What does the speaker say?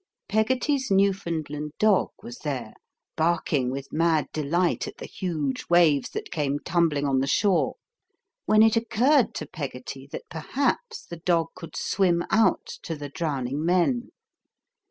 Peggotty's Newfoundland dog was there, barking with mad delight at the huge waves that came tumbling on the shore, when it occurred to Peggotty that perhaps the dog could swim out to the drowning men.